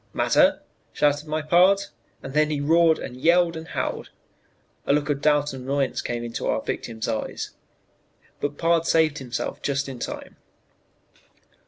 "'Matter?' shouted my pard, and then he roared and yelled and howled. "A look of doubt and annoyance came into our victim's eyes; but pard saved himself just in time.